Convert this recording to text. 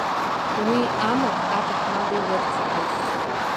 Уи амаҭ аҭаҳмада илырцҳаит.